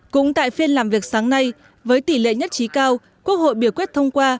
cũng tại phiên làm việc sáng nay với tỷ lệ nhất trí cao quốc hội biểu quyết thông qua